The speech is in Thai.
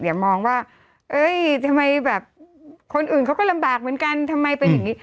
อย่ามองว่าเอ้ยทำไมแบบคนอื่นเขาก็ลำบากเหมือนกันทำไมเป็นอย่างนี้